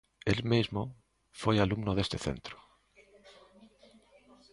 El mesmo foi alumno deste centro.